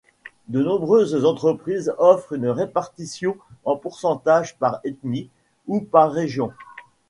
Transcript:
De nombreuses entreprises offrent une répartition en pourcentage par ethnie ou par région.